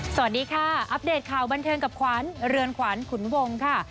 สวัสดีค่ะอัปเดตข่าวบันเทิงกับขวัญเรือนขวัญขุนวงค่ะ